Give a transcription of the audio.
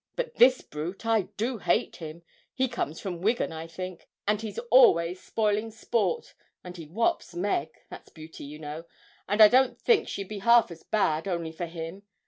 But this brute I do hate him he comes from Wigan, I think, and he's always spoiling sport and he whops Meg that's Beauty, you know, and I don't think she'd be half as bad only for him.